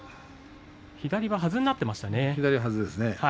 左ははずになっていましたね。